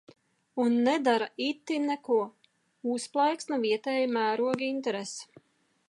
Un nedara itin neko. Uzplaiksna vietēja mēroga interese.